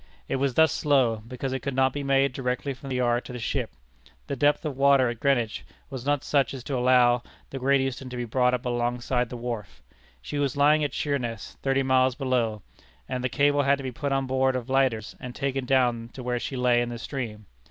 It was thus slow, because it could not be made directly from the yard to the ship. The depth of water at Greenwich was not such as to allow the Great Eastern to be brought up alongside the wharf. She was lying at Sheerness, thirty miles below, and the cable had to be put on board of lighters and taken down to where she lay in the stream.